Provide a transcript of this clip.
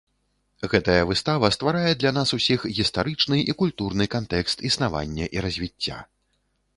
Гэтая выстава стварае для нас усіх гістарычны і культурны кантэкст існавання і развіцця.